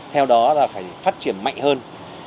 theo đó là phải phát triển mạnh hơn